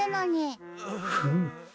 フム。